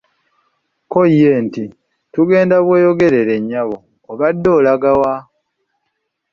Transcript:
Kko ye nti, "Tugenda Bweyogerere, nnyabo obadde olaga wa?"